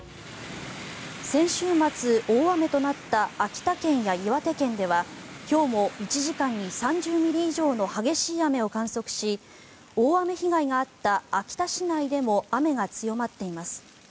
先週末、大雨となった秋田県や岩手県では今日も１時間に３０ミリ以上の激しい雨を観測し大雨被害があった秋田市内でも雨が強まっています。